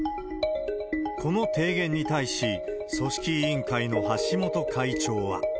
この提言に対し、組織委員会の橋本会長は。